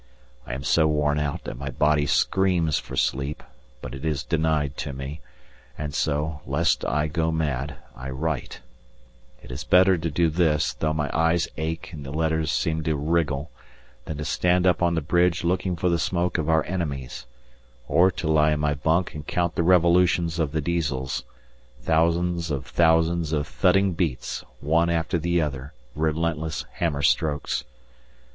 I am so worn out that my body screams for sleep, but it is denied to me, and so, lest I go mad, I write; it is better to do this, though my eyes ache and the letters seem to wriggle, than to stand up on the bridge looking for the smoke of our enemies, or to lie in my bunk and count the revolutions of the Diesels; thousands of thousands of thudding beats, one after the other, relentless hammer strokes.